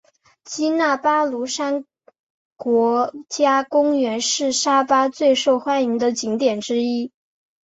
基纳巴卢山国家公园是沙巴最受欢迎的景点之一。